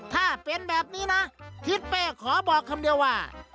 ถ้าเป็นแบบนี้นะทิศเป้ขอบอกคำเดียวว่า